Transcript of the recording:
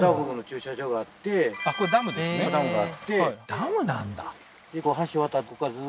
ダムなんだあ